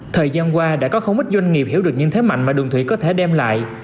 thời gian qua đã có không ít doanh nghiệp hiểu được những thế mạnh mà đường thủy có thể đem lại